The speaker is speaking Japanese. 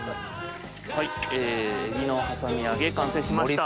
はい海老の挟み揚げ完成しました。